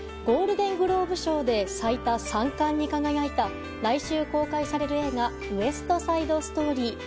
ゴールデングローブ賞で最多３冠に輝いた来週公開される映画「ウエスト・サイド・ストーリー」。